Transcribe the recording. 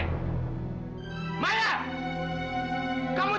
kamu cerita sekarang sama aku